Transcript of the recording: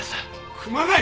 熊谷！